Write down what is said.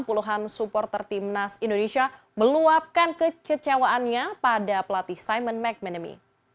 puluhan supporter timnas indonesia meluapkan kekecewaannya pada pelatih simon mcmanamy